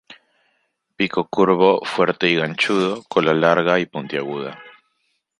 Pico curvo, fuerte y ganchudo; cola larga y puntiaguda.